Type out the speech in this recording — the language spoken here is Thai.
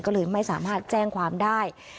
ก็เลยไม่สามารถแจ้งความได้